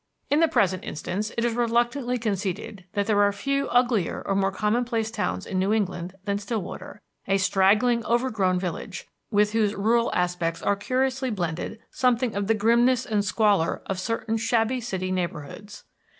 In the present instance it is reluctantly conceded that there are few uglier or more commonplace towns in New England than Stillwater, a straggling, overgrown village, with whose rural aspects are curiously blended something of the grimness and squalor of certain shabby city neighborhoods.